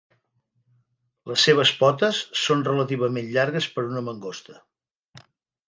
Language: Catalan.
Les seves potes són relativament llargues per una mangosta.